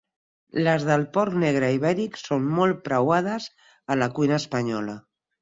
Les del porc negre ibèric són molt preuades a la cuina espanyola.